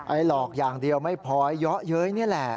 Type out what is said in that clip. หลอกอย่างเดียวไม่พอเยาะเย้ยนี่แหละ